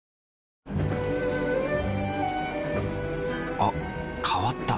あ変わった。